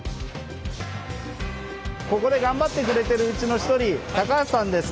ここで頑張ってくれているうちの一人高橋さんです。